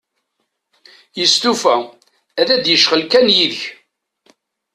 Yestufa, ad d-yecɣel kan yid-k.